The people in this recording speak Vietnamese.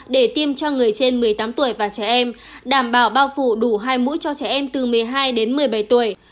để tiêm cho người trên một mươi tám tuổi và trẻ em đảm bảo bao phủ đủ hai mũi cho trẻ em từ một mươi hai đến một mươi bảy tuổi